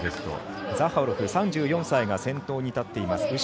ザハロフ、３４歳が先頭に立っています。